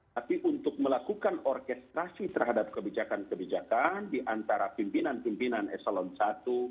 tapi untuk melakukan orkestrasi terhadap kebijakan kebijakan diantara pimpinan pimpinan eselon i